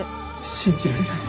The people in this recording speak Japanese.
信じられない。